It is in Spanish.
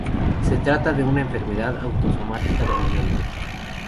Se trata de una enfermedad autosómica dominante.